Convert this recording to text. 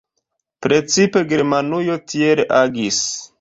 Precipe Germanujo tiel agis.